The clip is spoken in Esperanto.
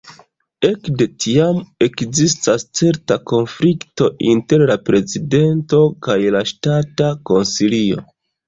Ekde tiam ekzistas certa konflikto inter la prezidento kaj la Ŝtata Konsilio.